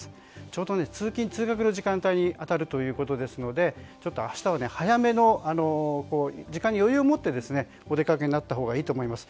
ちょうど通勤・通学の時間帯に当たるということですので明日は早めに時間を余裕を持ってお出かけになったほうがいいと思います。